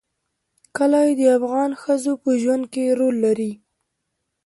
کلي د افغان ښځو په ژوند کې رول لري.